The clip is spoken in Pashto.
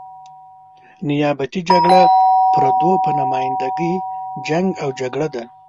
نیابتي جګړه پردو په نماینده ګي جنګ او جګړه ده.